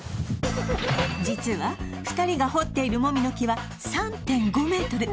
実は２人が掘っているもみの木は３．５メートル